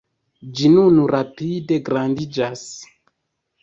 Ĝi nun rapide grandiĝas.